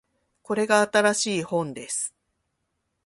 これが新しい本です